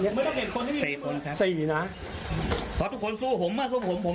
อย่าบอกว่าผมจ่ายไม่ถึงอย่าดูโทษผม